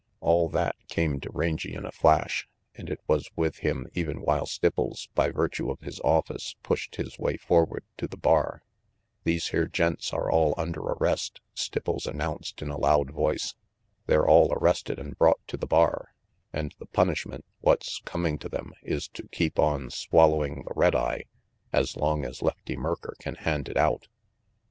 All that came to Rangy in a flash and it was with him even while Stipples, by virtue of his office, pushed his way forward to the bar. "These here gents are all under arrest," Stipples announced in a loud voice. "They're all arrested and brought to the bar, and the punishment what's coming to them is to keep on swallowing the red eye as long as Lefty Merker can hand it out.